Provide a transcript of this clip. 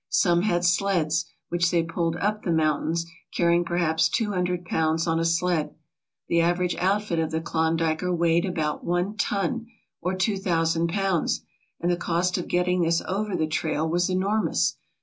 Some had sleds, which they pulled up the mountains, carrying perhaps two hundred pounds on a sled. The average outfit of the Klondiker weighed about one ton, or two thousand pounds, and the cost of getting this over the trail was enormous.